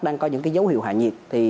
đang có những cái dấu hiệu hạ nhiệt thì